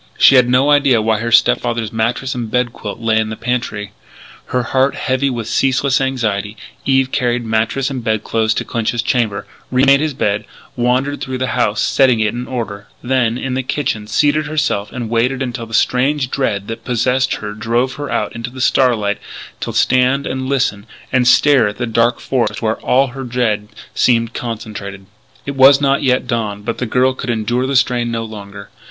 She had no idea why her step father's mattress and bed quilt lay in the pantry. Her heart heavy with ceaseless anxiety, Eve carried mattress and bed clothes to Clinch's chamber, re made his bed, wandered through the house setting it in order; then, in the kitchen, seated herself and waited until the strange dread that possessed her drove her out into the starlight to stand and listen and stare at the dark forest where all her dread seemed concentrated. It was not yet dawn, but the girl could endure the strain no longer.